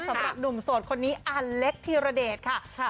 สำหรับหนุ่มโสดคนนี้อเล็กธีรเดร์เข้าไปพูดนั้นค่ะ